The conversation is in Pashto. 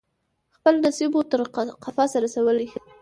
خپل نصیب وو تر قفسه رسولی